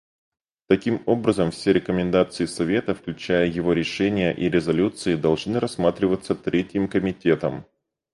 Таким образом, все рекомендации Совета, включая его решения и резолюции, должны рассматриваться Третьим комитетом.